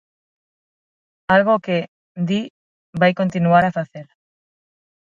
Algo que, di, vai continuar a facer.